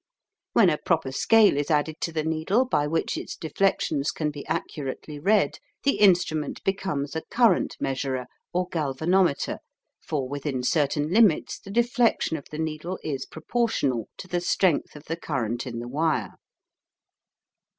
When a proper scale is added to the needle by which its deflections can be accurately read, the instrument becomes a current measurer or galvanometer, for within certain limits the deflection of the needle is proportional to the strength of the current in the wire.